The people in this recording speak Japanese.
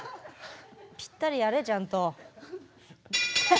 ぴったりやれ、ちゃんと。